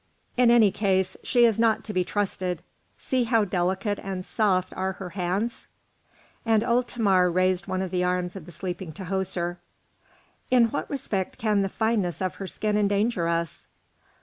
"In any case, she is not to be trusted. See how delicate and soft are her hands!" And old Thamar raised one of the arms of the sleeping Tahoser. "In what respect can the fineness of her skin endanger us?"